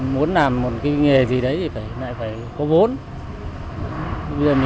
muốn làm một nghề gì đấy thì phải có vốn